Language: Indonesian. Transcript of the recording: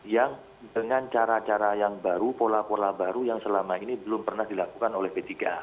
yang dengan cara cara yang baru pola pola baru yang selama ini belum pernah dilakukan oleh p tiga